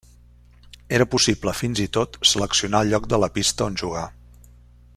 Era possible fins i tot seleccionar el lloc de la pista on jugar.